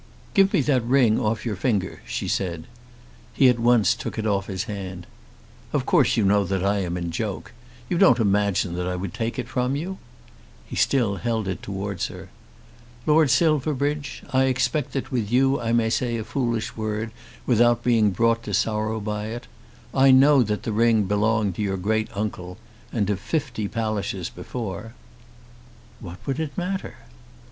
"Give me that ring off your finger," she said. He at once took it off his hand. "Of course you know I am in joke. You don't imagine that I would take it from you?" He still held it towards her. "Lord Silverbridge, I expect that with you I may say a foolish word without being brought to sorrow by it. I know that that ring belonged to your great uncle, and to fifty Pallisers before." "What would it matter?"